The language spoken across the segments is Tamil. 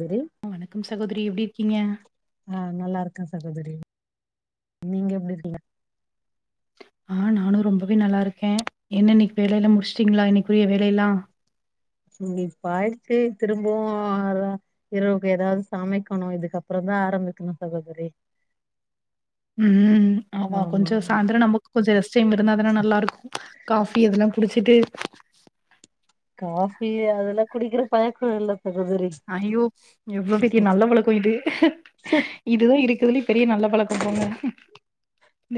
விரின் வணக்கம் சகோதரி எப்டி இருக்கீங்க ஆ நல்லா இருக்கே சகோதரி நீங்க எப்டி இருக்கிங்க ஆ நானு ரொம்பவே நல்லா இருக்கே என்ன இன்னைக்கு வேலையேல்ல முடிச்சுட்டிங்களா இன்னைக்குரிய வேலையேல்ல இங்கே வாக்கையே திரும்பவு அதா இரவுக்கு ஏதாது சமைக்கணு இதுக்கப்றோ தா ஆரம்பிக்கணு சகோதரி உம் ஆமா கொஞ்சோ சாந்திரோ நமக்கு கொஞ்சோ ரெஸ்ட் டைம் இருந்த தானா நல்லா இருக்கு காஃபி இதென்னா குடிச்சிட்டு காஃபி அதெல்லா குடிக்கிற பழக்கோ இல்ல சகோதரி ஐயோ எவ்ளோ பெரிய நல்ல வழக்கோ இது இதுதா இருக்குதுலயே பெரிய நல்ல பழக்கோ போங்க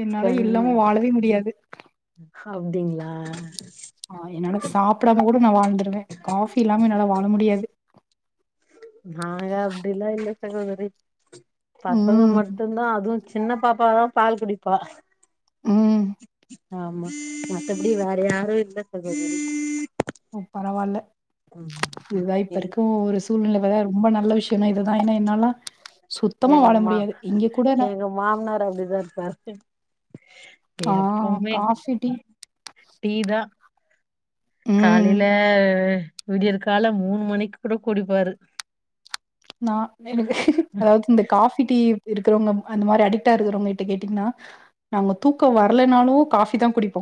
என்னால கண் இல்லாமமு வாழவே முடியாது அப்டிங்களா ஆ என்னால சாப்டாம கூட நா வாழ்ந்துருவே காஃபி இல்லாம என்னால வாழ முடியாது நாங்க அப்படிலா இல்ல சகோதரி பசங்க ம், மட்டு தா அதுவு சின்ன பாப்பாதா பால் குடிப்பா ம். ஆமா மத்தபடி வேறயாரு இல்ல சகோதரி பரவாயில்ல ம் இதா இப்ப எங்க இருக்கு ஒரு சூழ்நிலை வதே ரொம்ப நல்ல விஷயோனா இதுதா ஏன்னா என்னாலா சுத்தமா எங்க வாழ மா முடியாது இங்க கூட நா எங்க மாமனார் அப்டிதா இருப்பாரு ஆ எப்பவுமே காஃபி டீ டீ தா ம் காலையிலே விடியிற் கால மூணு மணிக்கு கூட கூடிப்பாரு நா எனக்கு அதாது இந்த காஃபி டீ இருக்குறவங்க அந்த மாரி அடிட்டா இருக்குறவங்க கிட்ட கேட்டீங்கென்னா நாங்க தூக்கோ வரலனாலு காஃபி தா குடிப்போ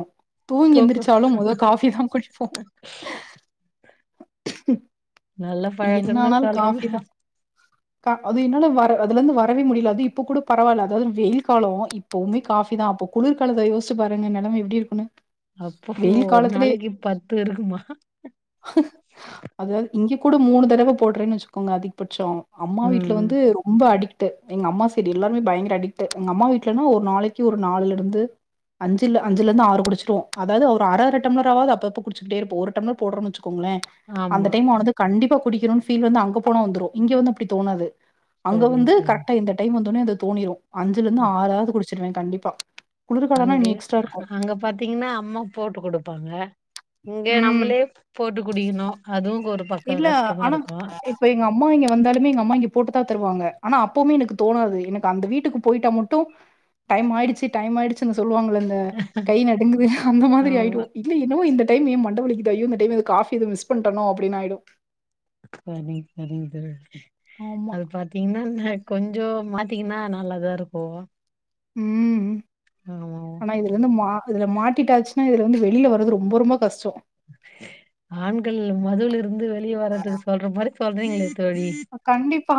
தூங்கி தூக்கோ எந்திரிச்சாலு மொத காஃபி தா குடிப்போ நல்ல என்ன பழக்கம்னு ஆனாலு சொல்றமே காஃபி தா க அது என்னால வர அதுல இருந்து வரவே முடியல அது இப்ப கூட பரவாயில்ல அதாது வெயில் காலோ இப்பவுமே காஃபி தா அப்போ குளிர்காலத்த யோசிச்சு பாருங்க என் நெலமை எப்டி இருக்குன்னு அப்போ ஒரு நாளைக்கு பத்து இருக்குமா அதாது இங்க கூட மூணு தடவ போடுறேன்னு வச்சுக்கோங்க அதிபட்சோ அம்மா வீ்ட்ல ம் வந் து ரொம்ப அடிட்டு எங்க அம்மா சைடு எல்லாருமே பயங்கர அடிக்ட்டு எங்க அம்மா வீட்டுலேன்னா ஒரு நாளைக்கு ஒரு நாள்ளுல இருந்து அஞ்சு இல்ல அஞ்சுல இருந்து ஆறு குடிச்சிருவோ அதாது ஒரு அர அர டம்மளரா ஆவது அப்ப அப்ப குடிச்சுக்கிட்டே இருப்போ ஒரு டம்ளர் போடுறோனு வெச்சுக்கோங்களே அந்த ஆமா டைம் ஆனது கண்டிப்பா குடிக்கறோணு ஃபீல் வந்து அங்க போனா வந்துரு இங்க வந்து அப்டி தோணாது அங்க சரிங்க வந்து சரிங்க கரெக்டா இந்த டைம் வந்தோனே அது தோணிரு அஞ்சுல இருந்து அ ஆறாது குடிச்சிருவே கண்டிப்பா குளிர் காலோன்னா இன்னு எக்ஸ்டா இருக்கு பாத்தீங்கென்னா அம்மா போட்டு குடுப்பாங்க இங்க ம். நம்மளே போட்டு குடிக்குணு அதுவு கொரு இல்ல ஆனா இப் இப்ப எங்கம்மா இங்க வந்தாலுமே எங்கம்மா இங்க போட்டு தா தருவாங்க ஆனா அப்போமே எனக்கு தோணாது எனக்கு அந்த வீட்டுக்கு போய்ட்டா மட்டு டைம் ஆய்டுச்சு டைம் ஆய்டுச்சுன்னு சொல்லுவாங்கலங்க கை நடுங்குது அந்த மாதிரி ஆமா ஆய்டு இல்ல என்னமோ இந்த டைம் ஏ மண்ட வலிக்குது ஐயோ இந்த டைம் எதோ காஃபி எதோ மிஸ் பண்ட்ணோ அப்டின் ஆய்டு செரிங் செரிங்க தோழி ஆமா அது பாத் பாத்தீங்கன்னா நா கொஞ்சோ மாத்திக்னா நல்லாதாருக்கு ம் ஆனா இது இது வந்து மா இதுல மாட்டிட்டாச்சுன்னா இதுல வந்து வெளில வர்றது ரொம்ப ரொம்ப கஷ்டோ ஆண்கள் மதுலருந்து வெளிய வர்றதுக்கு சொல்ற மாரி சொல்றீங்ளே கண்டிப்பா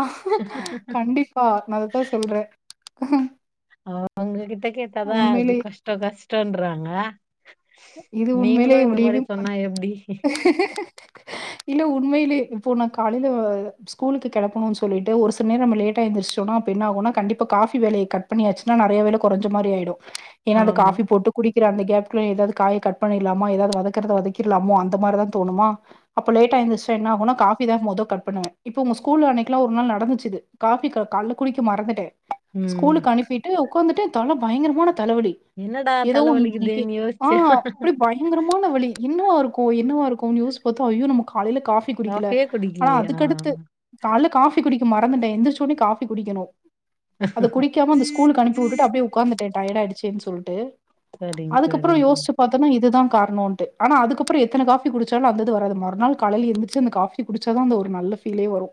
கண்டிப்பா நா அத தா சொல்றே அவுங்க கிட்ட கேட்டாதா அது உண்மையிலே கஷ்டோ கஷ்டோன்றாங்க இது உண்மயிலே முடிவே சொன்னா எப்படி இல்ல உண்மயிலே இப்போ நா காலைல ஸ்கூல்க்கு கெளப்பணுன் சொல்லிட்டு ஒரு சில நேரோ நம்ம லேட்டா எந்துருச்சுட்டோனா அப்ப என்ன ஆகுனா கண்டிப்பா காஃபி வேலய கட் பண்ணியாச்சுன்னா நறைய வேல கொறஞ்ச மாரி ஆயிடு ஏனா அந்த ஆமா காஃபி போட்டு குடிக்கிற அந்த கேப்குள்ள எதாவ்து காய கட் பண்ணிர்லாமா எதாவ்து வதக்குறத வதக்கிற்லாமோ அந்த மார்தா தோணுமா அப்போ லேட் எந்துருச்ட்டா என்ன ஆகுனா காஃபி தா மொத கட் பண்ணுவே இப்ப உங்க ஸ்கூல் அன்னைக்குலா ஒர் நாள் நடந்துச்சு இது காஃபி கா கால்ல குடிக்க மறந்துட்டே ம் ஸ்கூலுக்கு அனுப்பிட்டு ஒக்காந்துட்டே தல பயங்கரமான தலவலி என்னடா ஏதோ ஒண்ணு இன்னைக்கு தலவலிக்குதேன் யோச் ஆ அப்டி பயங்கரமான வலி என்னவாருக்கு என்னவாருக்குன் யோச்சு பாத்தா அய்யோ நம்ம காலைல கா ஃபி குடிக்கல காஃபியே ஆனா குடிக்கலையா அதுக்கடுத்து கால்ல காஃபி குடிக்க மறந்துட்டே எந்திரிச்சோன காஃபி குடிக்கணு அது குடிக்காம அந்த ஸ்கூலுக்கு அனுப்பி வுட்டுட்டு அப்டியே உக்காந்துட்டே டயர்டாயிச்சுன் சொல்ட்டு சரிங்க அதுக்கு சரிங்க பாத்தோன்னா இதுதா கார்ணோன்ட்டு ஆனா அதுக்கப்றோ எத்தண காஃபி குடிச்சாலு அந்த இது வராது மற்நாள் காலைல எந்திரிச்சு அந்த கா ஃபி குடிச்சா தா அந்த ஒரு நல்ல ஃபீலே வரு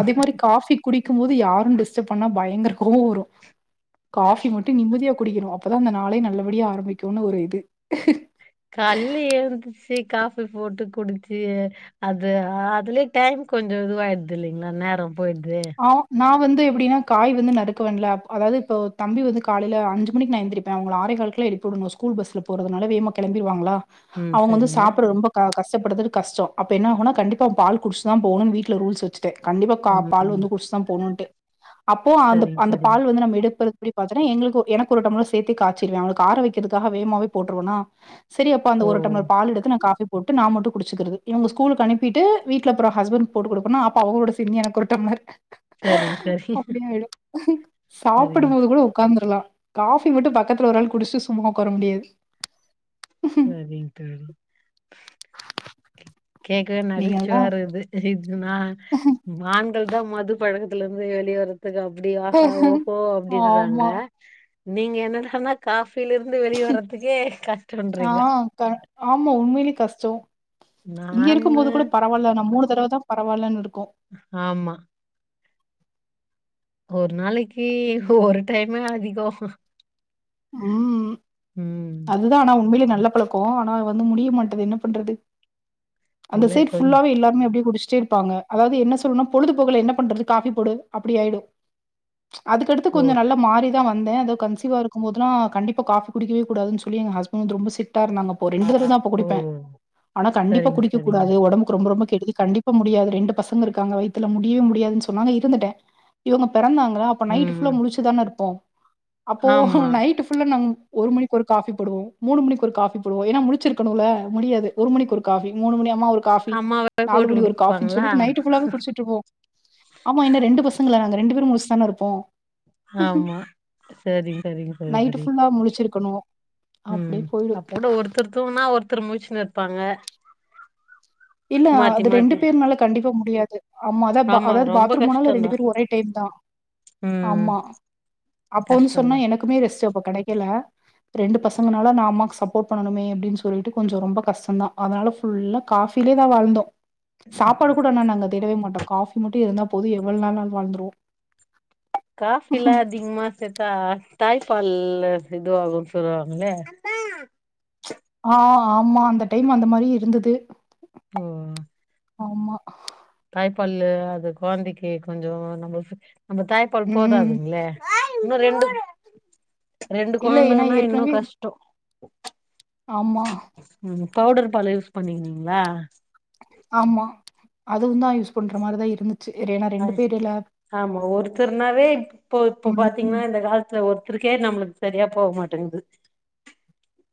அதே மாரி காஃபி குடிக்கும்போது யாரு‌ டிஸ்டர்ப் பண்ணா பயங்கர கோவோ வரு காஃபி மட்டு நிம்மதியா குடிக்கனு அப்பதா அந்த நாளே நல்லபடியா ஆரம்பிக்குனு ஒரு இது கால்ல எழுந்துச்சு காஃபி போட்டு குடிச்சு அது அதுலயே டைம் கொஞ்சோ இதுவாயிட்தில்லைங்ளா நேரோ போயிட்தே ஆ நா வந்து எப்டின்னா காய் வந்து நறுக்குவேன்ல அப் அதாவ்து இப்போ தம்பி வந்து காலைல அஞ்சு மணிக்கு நா எந்திரிப் பே அவுங்கள ஆறேகால்க்ல்லா எழுப்பி வுடணு ஸ்கூல் பஸ்ல போறதுனால வேமா கெளம்பிருவாங்களா ம் அவுங்க வந்து சரிங்க சாப்ட ரொம்ப க கஷ்டபடுத்துறது கஷ்டோ அப்ப என்ன ஆகுனா கண்டிப்பா பால் குடிச்சுதா போணுன் வீட்ல ரூல்ஸ் வெச்சுட்டே கண்டிப்பா கா ம் பால் வந்து குட்ச்சுதா போணுன்ட்டு அப்போ அந்த சரிங்க அந்த சரிங்க பால் வந்து நம்ம எடுப்ப அப்டி பாத்தன்னா எங்ளுக்கு எனக்கு ஒரு டம்ளர் சேத்தி காச்சிருவே அவுங்களுக்கு ஆற வெக்கறகாக வேமாவே போட்ருவேன்னா சேரி அப்ப அந்த ஓ ஒரு டம்ளர் பால் எடுத்து நா காஃபி போட்டு நா மட்டு குடிச்சுக்கறது இவுங்க ஸ்கூல்க்கு அனுப்பிட்டு வீட்ல அப்றோ ஹஸ்பண்ட்க்கு போட்டு குடுப்பேனா அப்ப அவுங்களோட சேந்து எனக்கொரு டம்ளர் சரிங்க சரிங்க அப்டியாயிடு சரிங்க சாப்டும்போது கூட ஒக்காந்துருலா காஃபி மட்டு பக்கத்துல ஒரு ஆள் குடிச்சிட்டு சும்மா ஒக்கார முடியாது செரிங்க தோழி கேக்கவே நீங்கல்லா நகச்சுவையாருக்குது இது நா ஆண்கள் தா மது பழக் கலருந்து வெளிய வரத்துக்கு அப்டி ஆஹா ஓஹோ அப்டி சொல்றாங்க ஆமா நீங்க என்னடானா காஃபிலரந்து வெளியே வரத்துக்கே கஷ் ஆ க ஆமா உண்மயிலே கஷ்டோ இங்க நானு இருக்கும்போது கூட ப ரவால்ல நா மூணு தடவ தா பரவால்லன் இருக்கு ஆமா ஒரு நாளைக்கு ஒரு டைமே அதிகோ ம் ம் அதுதா ஆனா உண்மைலே நல்ல பழக்கோ ஆனா வந்து முடிய மாட்டேது என்ன பண்றது அந்த இல்ல சைட் கொஞ் ஃபுல்லாவே எல்லாருமே அப்டியே குடிச்சிட்டே இருப்பாங்க அதாவது என்ன சொல்னா பொழுது போகல என்ன பண்றது காபி போடு அப்டி ஆயிடு அதுக்கடுத்து ஓ கொஞ்சோ நல்லா மாறி தா வந்தே அதோ கன்சீவா இருக்கும் போதெல்லா கண்டிப்பா காஃபி குடிக்கவே கூடாதுன்னு சொல்லி எங்க ஹஸ்பண்ட் ரொம்ப சிட்டா இருந்தாங்க அப்போ ரெண்டு [unintelligible] ஓ குடிப்பே ஆனா கண்டிப்பா சரிங்க குடிக்க சரிங்க கூடாது ஒடம்புக்கு ரொம்ப ரொம்ப கெடுதி கண்டிப் இப்ப முடியாது ரெண்டு பசங்க இருக்காங்க வயித்துல முடியவே முடியாதுன் சொன்னாங்க இருந்துட்டே இவுங்க பிறந்தாங்களா அ ப்ப நைட் ஃபுல்லா ம் முழிச்சு தானே இருப்போ அப்போ ஆமா நைட் ஃபுல்லா நா ஒரு மணி ஒரு காஃபி போடுவோ மூணு மணிக்கு ஒரு காஃபி போடுவோ ஏனா முழிச்சிருக்கணுல முடியாது ஒரு மணிக்கு ஒரு காஃபி மூணு மணி அம்மா ஒரு காஃபி அம்மாவே நாலு போட்டு மணி ஒரு காஃபின் குடுப்பாங்களா சொல்லிட்டு நைட் ஃபுல்லாவே குடிச்சிட்டு இருப்போ ஆமா என்ன ரெண்டு பச பசங்கள நாங்க ரெண்டு பேரு முழிச்சி தானே இருப்போ ஆமா சேரிங் சேரிங்க சகோதரி ப முழிச்சிருக்கணு ம் அப்ப கூட ஒருத்தர் தூங்குனா ஒருத்தர் முழிச்சின்னு இருப்பாங்க இல்ல மாத்தி அது ரெண்டு மாத்தி பேருனால கண்டிப்பா முடியாது ஆமா அத அதாவது ரொம்ப பாத்ரூம் போனாலு கஷ்டந்தா ரெண்டு பேரு ஒரே டைம் தா ம் ஆமா அப்ப வந்து சொன்னா கஷ்டந்தா எனக்குமே ரெஸ்டு அப்ப கிடைக்கல ரெண்டு பசங்கனால நா அம்மாவுக்கு சப்போர்ட் பண்ணனுமே அப்டின்னு சொல்லிட்டு கொஞ்ச ரொம்ப கஷ்ட தா அதனால ஃபுல்லா காஃப் ஃபிலில வாழ்ந்தோ சாப்பாடு கூட நானு அங்க தேடவே மாட்டோ காஃபி மட்டு இருந்தா போது எவ்ள நாள்னாலு வாழ்ந்துருவோ காஃபிலா அதிகமா சேத்தா தாய்ப்பால் இது ஆகுன்னு சொல்லுவாங்களே ஆ ஆமா அந்த டைம் அந்த மாதிரி இருந்தது ஓ ஆமா தாய்ப்பால் அது ககொழந்தைக்கு கொஞ்ச நம்ம நம்ம தாய்ப்பால் ம் போதாதுங்களே இன்னு ரெண்டு ரெண்டு இல்ல ஏன்னா கொழந்தைங்கன்னா இன்னு ஏற்கனவே கஷ்டோ ஆமா ம் பவுடர் பாலு யூஸ் பண்ணிணீங்களா ஆமா அதுவு தா யூஸ் பண்ற மாரிதா இருந்துச்சு ஏனா ரெண்டு பேர்ல ஆமா ஒருத்தர்னாவே இப்போ இப்ப ம் பாத்தீங்கன்னா இந்த காலத்துல ஒருத்தர் தருக்கே நம்மளுக்கு சரியா போக மாட்டேங்கிது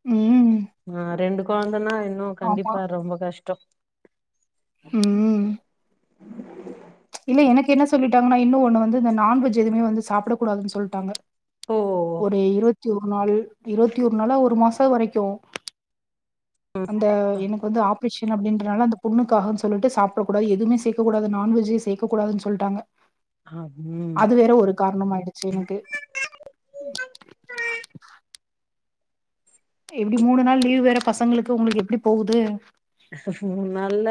ம் ஆ ரெண்டு கொழந்தன்னா இன்னு ஆமா கண்டிப்பா ரொம்ப கஷ்டம் ம் இல்ல எனக்கு என்ன சொல்லிட்டாங்கன்னா இன்னு ஒன்னு வந்து இந்த நான்வெஜ் எதுமே வந்து சாப்பிட கூடாதுன்னு சொல்லிட்டாங்க ஓ ஒரு இருவத்தி ஒரு நாள் இருவத்தி ஒரு நாளா ஒரு மாச வரைக்கு அந்த என வந்து ஆப்ரேஷன் அப்டின்றனால அந்த புண்ணுக்காகன் சொல்லிட்டு சாப்பிடக்கூாது எதுமே சேக்க கூடாது நான்வெஜ் எ சே தேக்க கூடான்னு சொல்டாங்க அ ம் அது வேற ஒரு காரணமா ஆயிடுச்சு எனக்கு ம் எப்படி மூணு நாள் லீவ் வேற பசங்களுக்கு உங்களுக்கு எப்படி போகுது நல்ல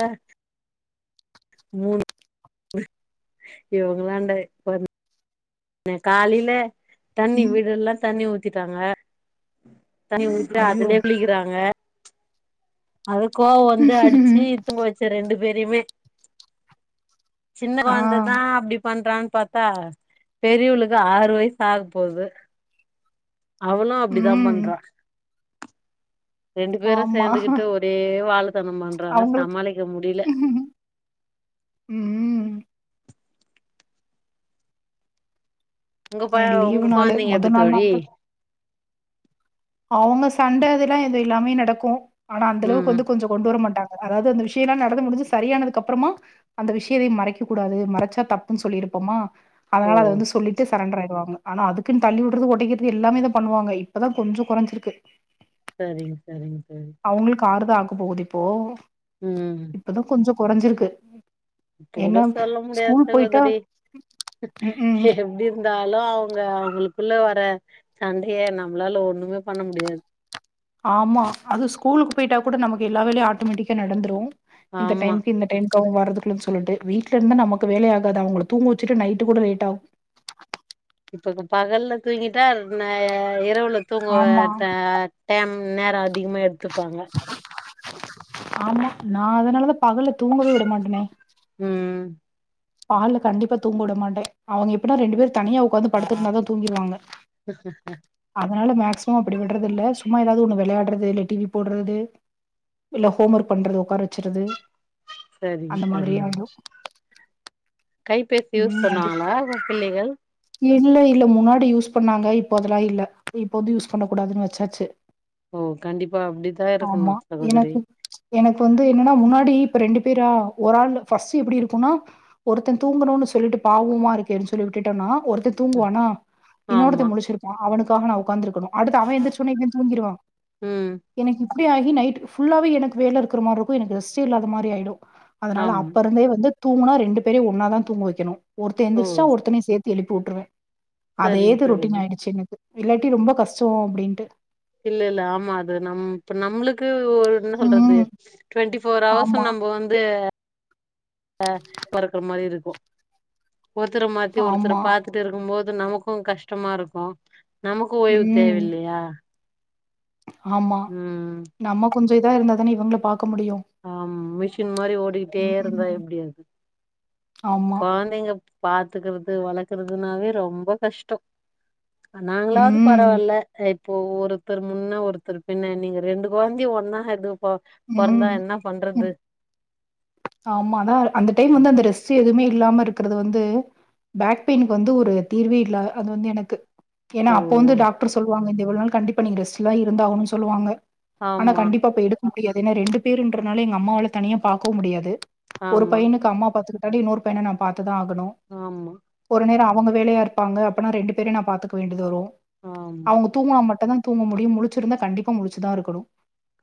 மூணு இவங்களாண்ட என் காலில தண்ணி ம் வீடுல்லா தண்ணி ஊத்திட்டாங்க தணிய விட்டு ஐயோ அதுலையே குளிக்கிறாங்க அது கோவம் வந்து அடிச்சு தூங்க வெச்ச ரெண்டு பேரையுமே சின்ன ஆ குழந்ததா அப்டி பண்றான்னு பாத்த சா பெரியவளுக்கு ஆறு வயசு ஆக போது அவனு அப்படிதா ம் பண்றா ரெண்டு பேரு ஆமா சேர்ந்துகிட்டு ஒரே வாலு தனம் பண்றாங்க அவங்களுக்கு சமாளிக்க முடியல ம் உங்க ப எனக்கு லீவ் உங்க நாளே கொழந்தைங்க மொத எப்டி நாலே தோழி அவுங்க சண்டை அதெல்லாம் அது எல்லாமே நடக்கு ஆனா அந்த அளவுக்கு ம் வந்து கொஞ்சோ கொண்டு வர மாட்டாங்க அதாவது அந்த விஷயமல்லா நடந்து முடிஞ்சு சரியானதுக்கு அப்றமா அந்த விஷயத்தையு மறைக்க கூடாது மறைச்சா தப்புன்னு சொல்லிருப்போமா ஓ அதனால அத வந்து சொல்லிட்டு சரண்டர் ஆயிடுவாங்க ஆனா அதுக்குன்னு அடிக்கிறது தள்ளி விடுறது உடைக்கிறது எல்லாமோ பண்ணுவாங்க இப்பதா கொஞ்சோ குறைஞ்சிருக்கு சரிங்க சரிங்க சரி அவுங்களுக்கு ஆறுதா ஆக போகுது இப்போ உ இப்பதா கொஞ்சோ கொறஞ்சிருக்கு இப்ப கூட சொல்ல முடியாது போயிட்டா சகோதரி ம்ஹ்ம். எப்டி இருந்தாலு அவுங்க அவங்களுக்குள்ள வர சண்டைய நம்மளால ஒண்ணுமே பண்ண முடியாது ஆமா அது ஸ்கூலுக்கு போயிட்டா கூட நமக்கு எல்லா வேலையு ஆட்டோமேட்டிக்கா நடந்துரு இந்த ஆமா டைமிக்கு இந்த டை வரதுக்குள்ளனு சொல்லிட்டு வீட்டுல இருந்தா நமக்கு வேலைையகாது அவுங்கள தூங்க வச்சுட்டு நைட் கூட லேட் ஆகு இப்ப பகல்ல தூங்கிட்ட ந இரவுல தூங்குவ ஆமா டைம் நேரோ அதிகமா எடுத்துப்பாங்க ஆமா நா அதுனாலதா பகல்ல தூங்கவே விட மாட்டே உ பகல்ல கண்டிப்பா தூங்க விட மாட்டே அவுங்க எப்படினா ரெண்டு பேர் தனியா உட்காந்து படுத்து இருந்தா தா தூங்கிடுவாங்க [unintelligible] அதுனால மேக்சிமம் அப்படி விடுறதுல்ல சும்மா ஏதாவது ஒண்ணு விளையாடுறது இல்ல டிவி போடுறது இல்ல ஹோம் ஒர்க் பண்றது உக்கார வச்சறது சரிங்க அந்த மாதிரி சரிங்க ஆகிடு கைபேசி யூஸ் அது பண்ணுவாங்களா பிள்ளைக இல்ல இல்ல முன்னாடி யூஸ் பண்ணாங்க இப்போ அதுல்லா இல்ல இப்போது யூஸ் பண்ண கூடாதுன்னு வச்சாச்சு ஓ கண்டிப்பா அப்படித்தா இருக்கணு ஆமா சகோதரி எனக்கு எனக்கு வந்து என்னன்னா முன்னாடி இப்ப ரெண்டு பேரா ஒரு ஆள் ஃபர்ஸ்ட் எப்படி இருக்கும்னா ஒருத்தே தூங்கணுன்னு சொல்லிட்டு பாவமா இருக்ககேன்னு சொல்லி விட்டுட்டம்னா ஒருத்தே தூங்குவானா இன்னொருத்த ஆமா முடிச் அவனுக்காக நா உட்குந்து இருக்கனு அடுத்து அவன் எந்திரச்ச உடனே இவன் தூங்கிருவான் உ எனக்கு இப்படி ஆகி நைட் ஃபுல்லாவே எனக்கு வேல இருக்குற மாரி இருக்கு எனக்கு ரெஸ்ட் இல்லாத மாதிரி ஆயிடும் அதுனால ஆமா அப்ப இருந்தே வந்து தூங்கினா ரெண்டு பேரையு ஒன்னா தா தூங்க வைக்கணு ஒருத்த ஓ எந்திரச்சா ஒருத்தநாயு சேர்த்து எழுப்பி விற்றுவே அதே சரிங்க இது ரொட்டீன் சகோதரி ஆயிடுச்சு எனக்கு இல்லாட்டி ரொம்ப கஷ்டோ அப்படின்ட்டு இல்ல இல்ல ஆமா அது நம் நம்மளுக்கு ஒரு என்ன சொல்றது ம் டுவெண்டி இப்ப அவர்ஸ்நா ஆமா நம்ம வந்து அ பறக்கற மாரி இருக்கு ஒருத்தர மாத்தி ஒருத்தர ஆமா பாத் துட்ருக்கும் போது நமக்கு கஷ்டமா இருக்கு நமக்கு ஓய்வு ம் தேவயில்லையா ஆமா நம்ம கொஞ்சோ இதா இருந்தாதானே இவ்ங்கள பாக்க முடியு ஆம் மிஷின் மாரி ஓடிக்கிட்டே இருந்தா ம் எப்டி அது ஆமா கொழந்தைங்க பாத்துக்கிறது வளக்கறதுனாவே ரொம்ப கஷ்டோ அ நாங்களாவ்து ம் பரவால்ல இப்போ ஒருத்தர் முன்ன ஒருத்தர் பின்ன நீங்க ரெண்டு கொழந்தைய ஒன்னா ஹேண்டுல் ப தா ம் என்ன பண்றது ம் ஆமா அதா அந்த டைம் வந்து அந்த ரெஸ்ட் எதுவுமே இல்லாம இருக்குறது வந்து பேக் பெயினுக்கு வந்து ஒரு தீர்வே இல்ல அது வந்து எனக்கு ஏன்னா ஓ அப்போ வந்து டாக்டர் சொல்வாங்க இந்த இவ்ளோ நாள் கண்டிப்பா நீங்க ரெஸ்ட்லா இருந்தாகன்னு சொல்லுவாங்க ஆனா ஆமா கண்டிப்பா அப்ப எடுக்க முடியாது ஏனா ரெண்டு பேருன்றனால எங்க அம்மாவால தனியா பாக்கவு முடியாது ஒரு ஆமா பையனுக்கு அம்மா பாத்துக்கிட்டாலு இன்னொரு பையன நா பாத்துதா ஆகணு ஆமா ஒரு நேரோ அவங்க வேலையா இருப்பாங்க அப்பனா ரெண்டு பேரயு நா பாத்துக்க வேண்டியது வரு ஆம் அவங்க தூங்குனா மட்டுந்தா தூங்க முடியு முழிச்சிருந்தா கண்டிப்பா முழிச்சுதா இருக்கணு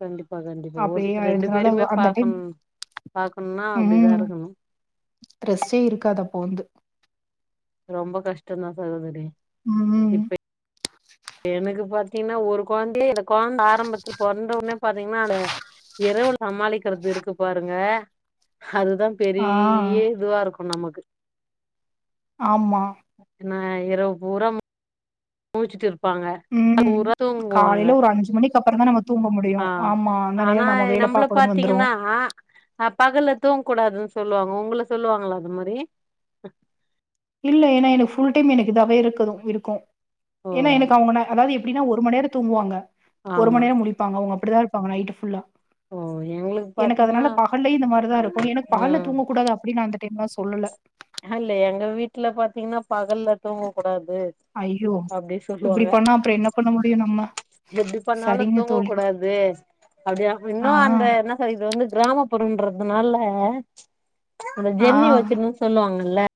கண்டிப்பா கண்டிப்பா ஒருத்தர் ரெண்டு பேருமே அந்த டைம் பாக்கனு பாக்கணுனா அப்டிதா ம். இருக்கணு ரெஸ்ட்டே இருக்காது அப்ப வந்து ரொம்ப கஷ்டந்தா சகோதரி ம். இப்ப எனக்கு பாத்தீங்கன்னா ஒரு கொழந்தையே எனக் கொழந்த ஆரம்பத்துல பொறந்தோனே பாத்தீங்கன்னா அது இரவு சமாளிக்கிறது இருக்கு பாருங்க அதுதா ஆ. பெரிய இதுவா இருக்கு நமக்கு ஆமா என்ன இரவு பூரா மூச்சுட்டு இருப்பாங்க பகல் பூரா தூங்குவாங்க க்கபறந்தா நம்ம தூங்க முடியு ஆ ஆமா அந்த நேரொ நம்ம வேல பாக்கணுனு வந்துருவோ ஆ அ பகல்ல தூங்க கூடாதுன் சொல்லுவாங்க உங்கள சொல்லுவாங்களா அது மாரி இல்ல ஏன்னா எனக்கு ஃபுல் டைம் எனக்கு இதாவே இருக்குது இருக்கும் ஓ ஏன்னா எனக்கு அவங்க ம அதாவ்து எப்டின்னா ஒரு மண்நேரோ தூங்குவாங்க ஒரு மண் ஆமா நேரோ முழிப்பாங்க அவ்ங்க அப்டிதா இருப்பாங்க நைட் ஃபுல்லா ஓ எங்களுக்கு எனக்கு பாத்தீங்கன்னா அதனால பகல்லையு இந்த மாரிதா இருக்கு எனக்கு பகல்ல ம் தூங்கக் கூடாது அப் ப்டி நா அந்த டைம்லா சொல்லல அல்ல எங்க வீட்ல பாத்தீங்கன்னா பகல்ல தூங்க கூடாது ஐயோ அப்டி இப்படி சொல்வாங்க பண்ணா அப்புறம் என்ன பண்ண முடியும் நம்ம எப்டி பண்ணாலு சரிங்க தூங்க தோழி கூடா து அப்டியா இன்னு ஆ அந்த என்ன இது வந்து கிராமப்புறோன்றதுனால அந்த ஆ ஜென்னி வச்சிடுனு சொல்லுவாங்கல்ல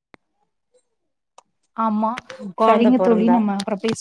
ஆமா கொழந்த சரிங்க தோழி பொறந்தா நம்ம அப்றம் பேசு